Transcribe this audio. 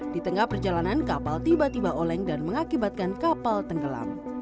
di tengah perjalanan kapal tiba tiba oleng dan mengakibatkan kapal tenggelam